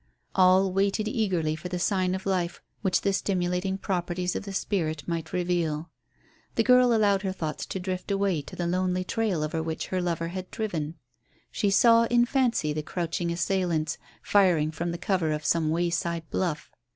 All waited eagerly for the sign of life which the stimulating properties of the spirit might reveal. The girl allowed her thoughts to drift away to the lonely trail over which her lover had driven. She saw in fancy the crouching assailants firing from the cover of some wayside bluff.